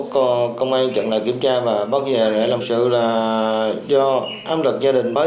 công an chẳng lẽ kiểm tra và bắt về để làm sự là do âm lực gia đình mới